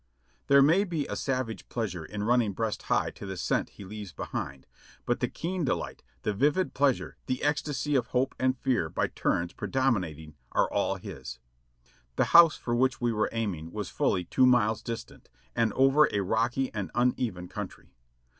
There may be a savage pleasure in running breast high to the scent he leaves behind, but the keen delight, the vivid pleasure, the esctasy of hope and fear by turns predominating, are all his. The house for which we were aiming was fully two miles dis tant and over a rocky and uneven country.